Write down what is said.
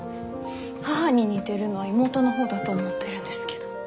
母に似てるのは妹の方だと思ってるんですけど。